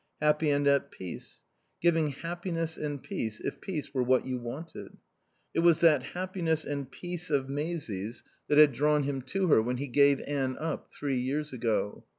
Happy and at peace. Giving happiness and peace, if peace were what you wanted. It was that happiness and peace of Maisie's that had drawn him to her when he gave Anne up three years ago.